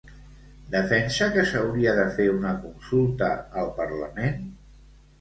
Defensa que s'hauria de fer una consulta al parlament?